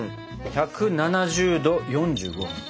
１７０℃４５分！